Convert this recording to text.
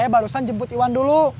barusan jemput iwan dulu